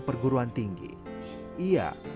perguruan tinggi iya